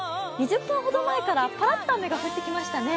２０分ほど前からパラッと雨が降ってきましたね。